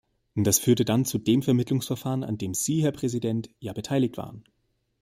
Das führte dann zu dem Vermittlungsverfahren, an dem Sie, Herr Präsident, ja beteiligt waren.